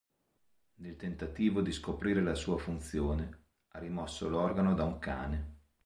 Nel tentativo di scoprire la sua funzione, ha rimosso l'organo da un cane.